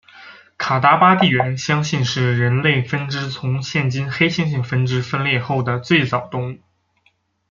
卡达巴地猿相信是人类分支从现今黑猩猩分支分裂后的最早动物。